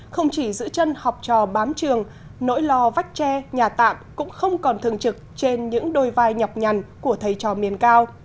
không chỉ giữ chân học trò bám trường nỗi lo vách tre nhà tạm cũng không còn thường trực trên những đôi vai nhọc nhằn của thầy trò miền cao